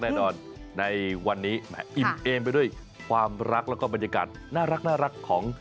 ซึ่งจะเป็นอะไรไปติดตามกันบ้างครับ